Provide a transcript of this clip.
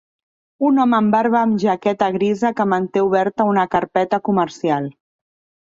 Un home amb barba amb jaqueta grisa que manté oberta una carpeta comercial.